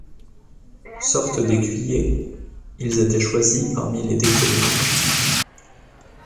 Sortes d’écuyer, ils étaient choisis parmi les décurions.